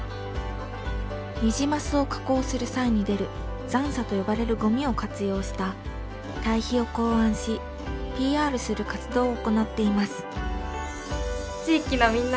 ニジマスを加工する際に出る残渣と呼ばれるゴミを活用した堆肥を考案しＰＲする活動を行っています。